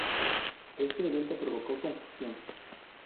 Éste evento provocó confusión.